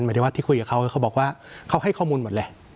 ได้ว่าที่คุยกับเขาเขาบอกว่าเขาให้ข้อมูลหมดเลย